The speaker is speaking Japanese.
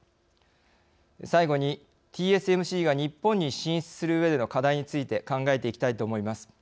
最後にＴＳＭＣが日本に進出するうえでの課題について考えていきたいと思います。